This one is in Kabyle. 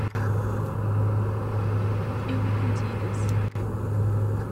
Yewwi-kent yid-s?